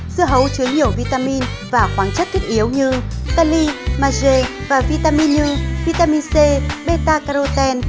dưa hấu chứa nhiều vitamin và khoáng chất kết yếu như cali mage và vitamin u vitamin c beta carotene